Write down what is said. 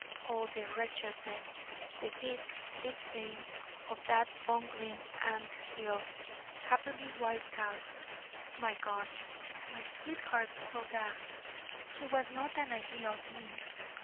Oh the wretchedness the deep, deep pain of that bungling ant hill, happily wiped out, my God! My sweetheart Clodagh ... she was not an ideal being!